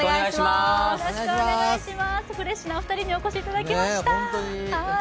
フレッシュなお二人にお越しいただきました、かわいい。